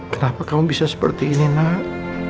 kenapa kamu bisa seperti ini nak